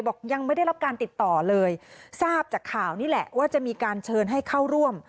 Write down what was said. บอกยังไม่ได้รับการติดต่อเลยทราบจากข่าวนี่แหละว่าจะมีการเชิญให้เข้าร่วม